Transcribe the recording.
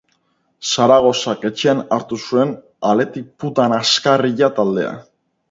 Zaragozak etxean hartu zuen Athletic taldea.